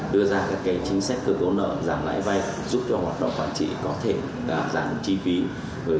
đưa ra các chính sách cơ cấu nợ giảm lãi vay giúp cho hoạt động quản trị có thể giảm chi phí